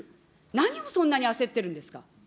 何をそんなに焦ってるんですか。